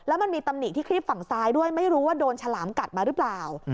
แล้วมันมีตำหนิที่ครีบฝั่งซ้ายด้วยไม่รู้ว่าโดนฉลามกัดมาหรือเปล่า